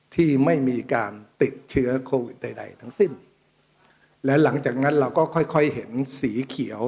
ที่ไม่มีการติดเชื้อโควิดใดใดทั้งสิ้นและหลังจากนั้นเราก็ค่อยค่อยเห็นสีเขียว